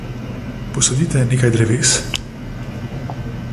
Posadite nekaj dreves.